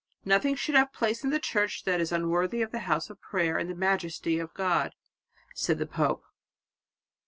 "Nothing should have place in the church that is unworthy of the house of prayer and the majesty of God," said the pope.